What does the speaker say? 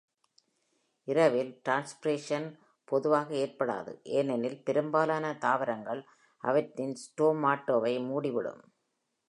இரவில், டிரான்ஸ்பிரேஷன் பொதுவாக ஏற்படாது, ஏனெனில் பெரும்பாலான தாவரங்கள் அவற்றின் ஸ்டோமாட்டாவை மூடிவிடும்